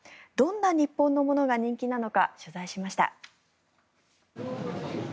どんな日本のものが人気なのか取材しました。